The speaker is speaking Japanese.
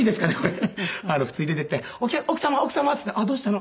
普通に出ていって「奥様奥様」って言ったら「どうしたの？」。